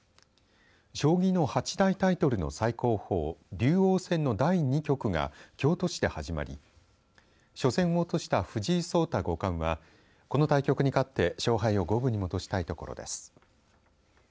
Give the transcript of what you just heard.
将棋の八大タイトルの最高峰竜王戦の第２局が京都市で始まり初戦を落とした藤井聡太五冠はこの対局に勝って勝敗を五分に戻したいところです。